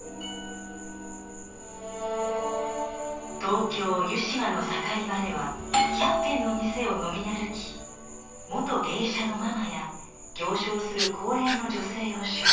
東京・湯島の盛り場では１００軒の店を飲み歩き元芸者のママや行商する高齢の女性を取材。